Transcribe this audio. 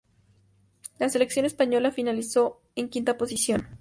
La selección española finalizó en quinta posición.